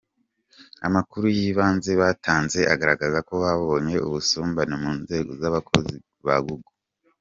Amakuru y’ibanze batanze agaragaza ko babonye ubusumbane mu nzego z’abakozi ba Google.